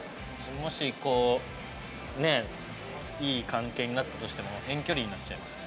もしこうねえいい関係になったとしても遠距離になっちゃいますね。